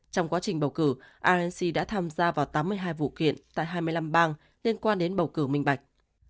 trong quá trình bầu cử irenc đã tham gia vào tám mươi hai vụ kiện tại hai mươi năm bang liên quan đến bầu cử minh bạch